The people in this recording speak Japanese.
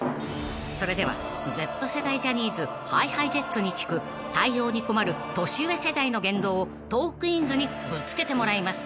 ［それではＺ世代ジャニーズＨｉＨｉＪｅｔｓに聞く対応に困る年上世代の言動をトークィーンズにぶつけてもらいます］